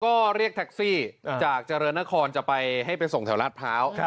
ก็เรียกแท็กซี่จากเจริญนครจะไปให้ไปส่งแถวราชพร้าว